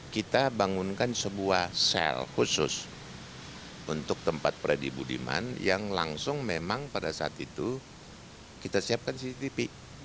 kita bangunkan sebuah sel khusus untuk tempat freddy budiman yang langsung memang pada saat itu kita siapkan cctv